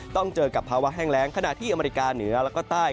ต้องเจอกับภาวะแห้งแรงขณะที่อเมริกาเหนือแล้วก็ใต้